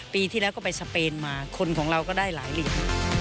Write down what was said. ปีที่แล้วก็ไปสเปนมาคนของเราก็ได้หลายหลีก